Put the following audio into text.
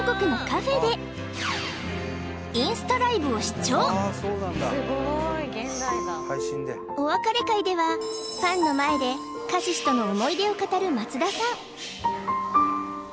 ちなみにでお別れ会ではファンの前でカシシとの思い出を語る松田さん